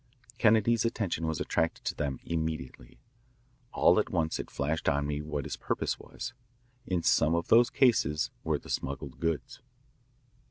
Kennedy's attention was attracted to them immediately. All at once it flashed on me what his purpose was. In some of those cases were the smuggled goods!